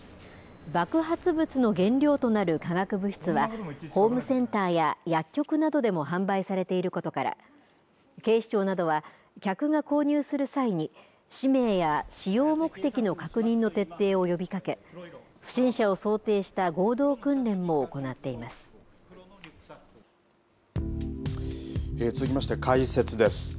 爆発物の原料となる化学物質はホームセンターや薬局などでも販売されていることから警視庁などは、客が購入する際に氏名や使用目的の確認の徹底を呼びかけ不審者を想定した続きましては解説です。